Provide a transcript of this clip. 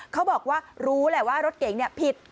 เขาบอกว่ารู้แหละว่ารถเก๋งผิด